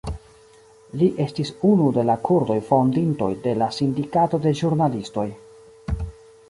Li estis unu de la kurdoj fondintoj de la Sindikato de Ĵurnalistoj.